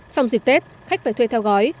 trong dịp tết khách phải thuê theo gói